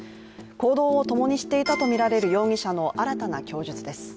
行動を共にしていたとみられる容疑者の新たな供述です。